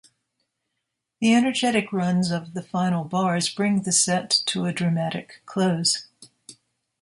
The energetic runs of the final bars bring the set to a dramatic close.